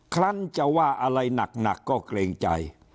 คลั้นจะว่าอะไรหนักก็เกรงใจ